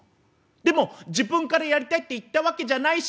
でも自分からやりたいって言ったわけじゃないし」。